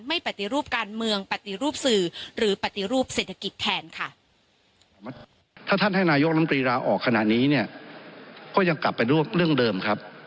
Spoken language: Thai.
ปฏิรูปการเมืองปฏิรูปสื่อหรือปฏิรูปเศรษฐกิจแทนค่ะ